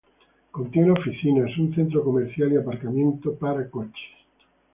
Contiene oficinas, un centro comercial y aparcamiento para coches.